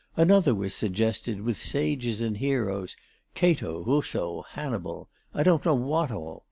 Another was suggested, with Sages and Heroes, Cato, Rousseau, Hannibal, I don't know what all!...